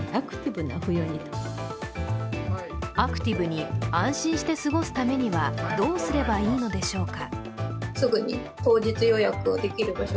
アクティブに安心して過ごすためには、どうすればいいのでしょうか。